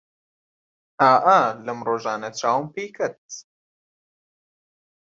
ئا ئا لەم ڕۆژانە چاوم پێی کەت